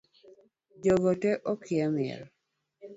Jogote okia miel